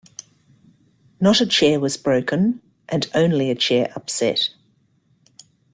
Not a chair was broken, and only a chair upset.